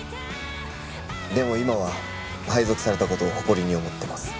でも今は配属された事を誇りに思ってます。